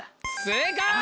正解！